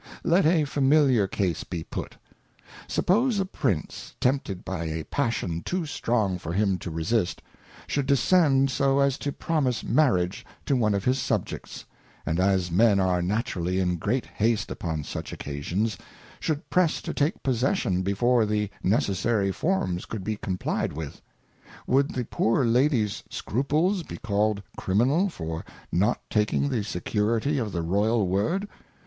y^ Let a familiar Case be put ; Suppose a Prince, tempted by a Passion too strong for him to resist, should descend so as to promise Marriage to one of his Subjects, and as Men are naturally in great haste upon such occasions, should press to take possession before the necessary Forms could be complyed with ; would the poor Ladies Scruples be called criminal for not taking the Security of the Royal Word